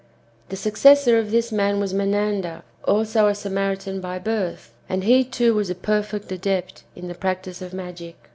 The successor of this man w^as Menander, also a Samari tan by birth, and he, too, was a perfect adept in the practice of magic.